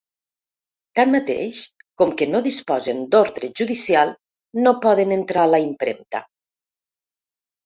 Tanmateix, com que no disposen d’ordre judicial no poden entrar a la impremta.